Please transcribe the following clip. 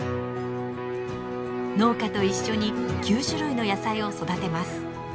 農家と一緒に９種類の野菜を育てます。